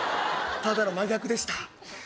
ただの真逆でした